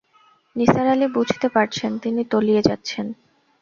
নিসার আলি বুঝতে পারছেন, তিনি তলিয়ে যাচ্ছেন।